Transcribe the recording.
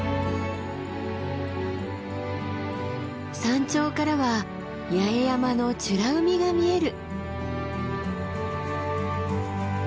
山頂からは八重山の美ら海が見える。